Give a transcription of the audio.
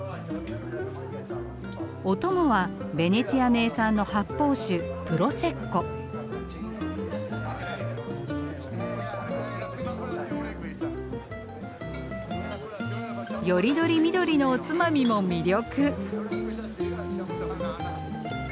お供はベネチア名産の発泡酒よりどりみどりのおつまみも魅力。